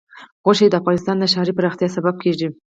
غوښې د افغانستان د ښاري پراختیا سبب کېږي.